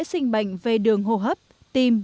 sinh bệnh về đường hô hấp tim